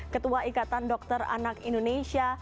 ketua ikatan dokter anak indonesia